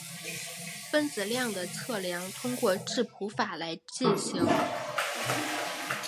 分子量的测量通过质谱法来进行。